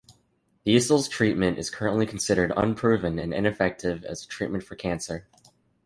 The Issels treatment is currently considered unproven and ineffective as a treatment for cancer.